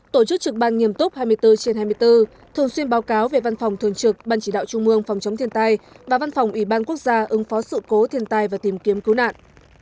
tổ chức trực ban nghiêm túc hai mươi bốn trên hai mươi bốn thường xuyên báo cáo về văn phòng thường trực ban chỉ đạo trung mương phòng chống thiên tai và văn phòng ủy ban quốc gia ứng phó sự cố thiên tai và tìm kiếm cứu nạn